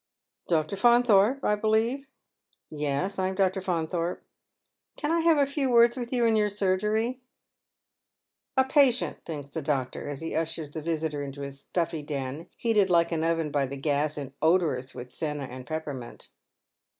" Dr. Faunthorpe, I believe ?"" Yes, I am Dr. Faunthorj^e." " Can I have a few words with you in your surgery ?"" A patient," thinks the doctor, as he ushers the visitor int» his stuffy den, heated like an oven by tlie gas, and odorous with seima and peppermint.